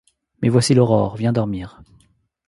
Mais voici l’aurore, viens dormir.